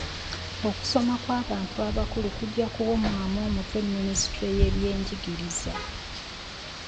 Okusoma kw'abantu abakulu kujja kuwomwamu omutwe minisitule y'ebyenjigiriza.